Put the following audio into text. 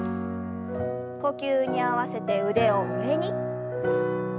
呼吸に合わせて腕を上に。